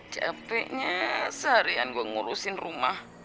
capeknya seharian gue ngurusin rumah